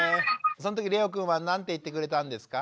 そのときれおくんは何て言ってくれたんですか？